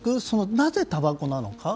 なぜ、たばこなのか。